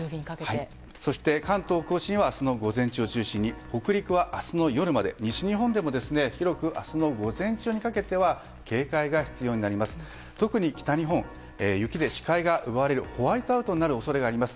そして、関東・甲信は明日の午前中を中心に北陸は明日の夜まで西日本でも広く明日の午前中にかけては警戒が必要になります。